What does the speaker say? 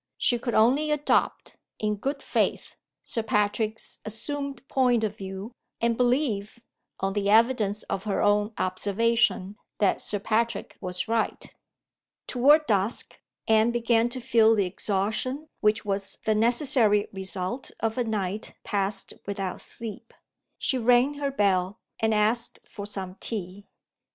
She could only adopt, in good faith, Sir Patrick's assumed point of view, and believe, on the evidence of her own observation, that Sir Patrick was right. Toward dusk, Anne began to feel the exhaustion which was the necessary result of a night passed without sleep. She rang her bell, and asked for some tea.